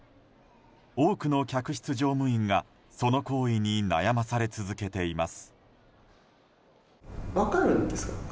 多くの客室乗務員が、その行為に悩まされ続けています。